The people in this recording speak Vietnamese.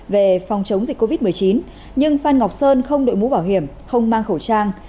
về phòng chống dịch covid một mươi chín nhưng phan ngọc sơn không đội mũ bảo hiểm không mang khẩu trang